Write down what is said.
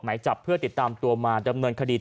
หมายจับเพื่อติดตามตัวมาดำเนินคดี